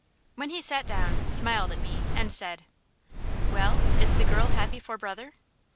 When he sat down, smiled at me and said, "Well, is the girl happy for brother?"